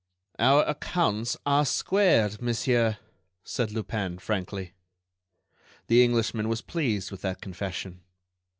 "Our accounts are squared, monsieur," said Lupin, frankly. The Englishman was pleased with that confession.